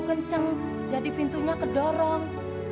terlalu kencang jadi pintunya kedorong